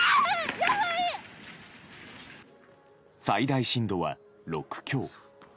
最大震度は６強。